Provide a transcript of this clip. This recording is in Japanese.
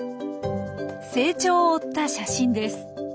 成長を追った写真です。